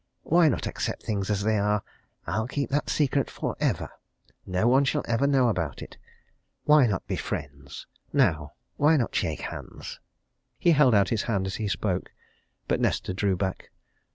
Why not accept things as they are? I'll keep that secret for ever no one shall ever know about it. Why not be friends, now why not shake hands?" He held out his hand as he spoke. But Nesta drew back.